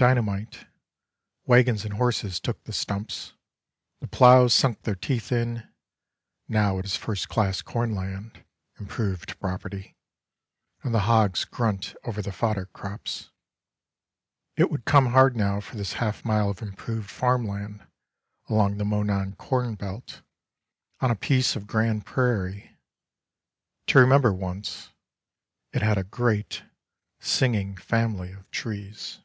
Dynamite, wagons and horses took the stumps — the plows sunk their teeth in — now it is first class corn land — improved property — and the hogs grunt over the fodder crops. It would come hard now for this half mile of improved farm land along the Monon corn belt, on a piece of Grand Prairie, to remember once it had a great singing family of trees.